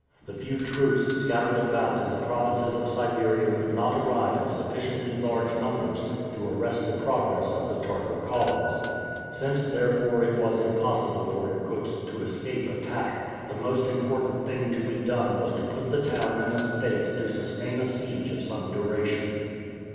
The few troops scattered about in the provinces of Siberia could not arrive in sufficiently large numbers to arrest the progress of the Tartar columns. Since therefore it was impossible for Irkutsk to escape attack, the most important thing to be done was to put the town in a state to sustain a siege of some duration.